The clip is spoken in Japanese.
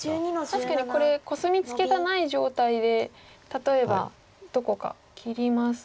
確かにこれコスミツケがない状態で例えばどこか切りますと。